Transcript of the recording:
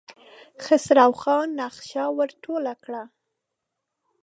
خسرو خان نخشه ور ټوله کړه.